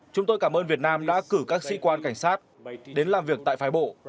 chúng tôi cảm ơn việt nam đã cử các sĩ quan cảnh sát đến làm việc tại phái bộ